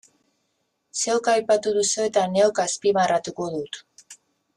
Zeuk aipatu duzu eta neuk azpimarratuko dut.